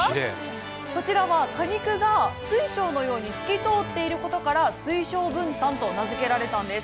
こちらは果肉が水晶のように透き通っていることから、水晶文旦と名付けられたんです。